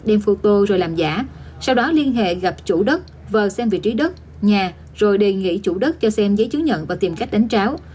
đem phô tô rồi làm giả sau đó liên hệ gặp chủ đất vờ xem vị trí đất nhà rồi đề nghị chủ đất cho xem giấy chứng nhận và tìm cách đánh tráo